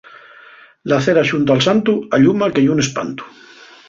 La cera xunto al santu alluma que ye un espantu.